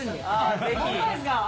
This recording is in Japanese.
ホンマですか！